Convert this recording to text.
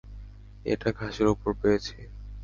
এটা ঘাসের উপর পেয়েছি।